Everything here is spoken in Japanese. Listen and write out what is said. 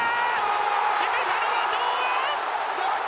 決めたのは堂安！